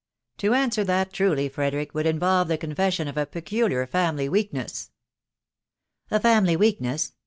" To answer that truly, Frederick, would involve the con fession of a peculiar family weakness." " A family weakness